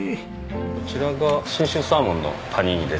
こちらが信州サーモンのパニーニです。